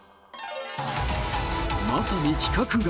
まさに規格外！